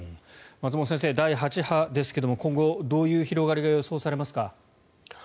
松本先生、第８波ですが今後、どういう広がりが予想されますか。